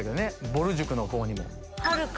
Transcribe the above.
ぼる塾の子にも。